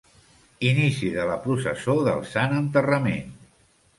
Inici de la Processó del Sant Enterrament.